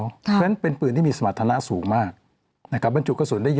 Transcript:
เพราะฉะนั้นเป็นปืนที่มีสมรรถนะสูงมากนะครับบรรจุกระสุนได้เยอะ